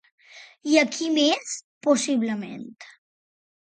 I a qui més, possiblement?